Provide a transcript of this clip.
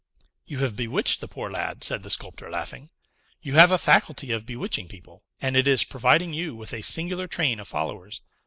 "You have bewitched the poor lad," said the sculptor, laughing. "You have a faculty of bewitching people, and it is providing you with a singular train of followers.